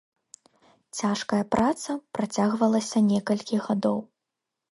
Цяжкая праца працягвалася некалькі гадоў.